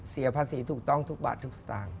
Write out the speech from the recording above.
เสียภาษีถูกต้องทุกบาททุกสตางค์